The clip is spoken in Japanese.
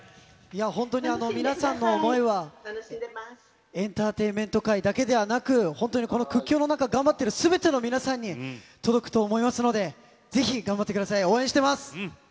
本当に皆さんの想いは、エンターテインメント界だけでなく、本当にこの苦境の中、頑張ってるすべての皆さんに届くと思いますので、ぜひ頑張ってください、応援しています。